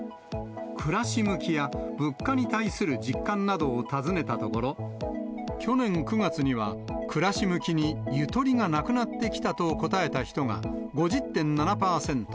暮らし向きや物価に対する実感などを尋ねたところ、去年９月には、暮らし向きにゆとりがなくなってきたと答えた人が５０．７％。